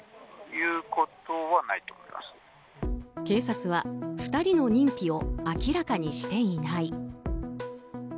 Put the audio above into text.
警察は２人の認否を明らかにしていない。